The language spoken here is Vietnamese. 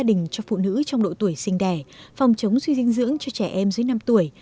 đình cho phụ nữ trong độ tuổi sinh đẻ phòng chống suy dinh dưỡng cho trẻ em dưới năm tuổi